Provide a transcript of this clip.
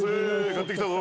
買ってきたぞ。